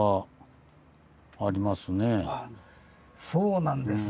そうなんです。